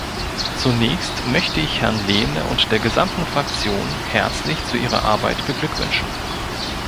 Zunächst möchte ich Herrn Lehne und der gesamten Fraktion herzlich zu ihrer Arbeit beglückwünschen.